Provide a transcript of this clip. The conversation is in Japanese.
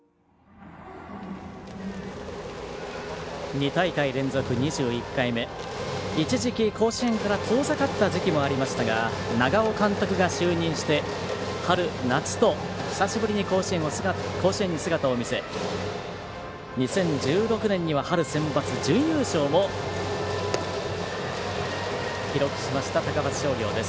２大会連続２１回目一時期、甲子園から遠ざかった時期もありましたが長尾監督が就任して、春、夏と久しぶりに甲子園に姿を見せ２０１６年には春センバツ準優勝も記録しました高松商業です。